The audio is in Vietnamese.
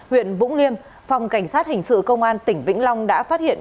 huyện vũng liêm phòng cảnh sát hình sự công an tỉnh vĩnh long đã phát hiện